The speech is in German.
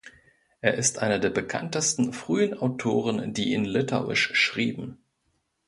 Er ist einer der bekanntesten frühen Autoren, die in Litauisch schrieben.